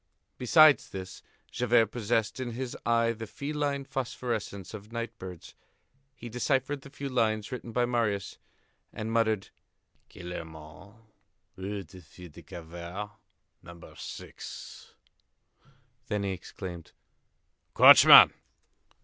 Besides this, Javert possessed in his eye the feline phosphorescence of night birds. He deciphered the few lines written by Marius, and muttered: "Gillenormand, Rue des Filles du Calvaire, No. 6." Then he exclaimed: "Coachman!"